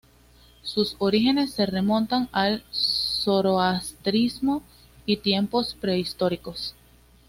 Sus orígenes se remontan al zoroastrismo y tiempos prehistóricos.